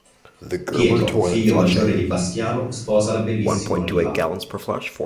Pietro, figlio maggiore di Bastiano, sposa la bellissima Oliva.